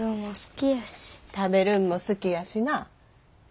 食べるんも好きやしな。